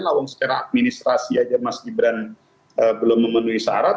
lawang secara administrasi aja mas gibran belum memenuhi syarat